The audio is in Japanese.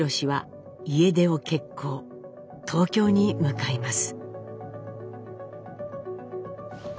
東京に向かいます。